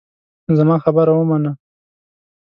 نو زما خبره ومنه.